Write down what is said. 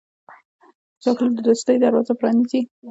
چاکلېټ د دوستۍ دروازه پرانیزي.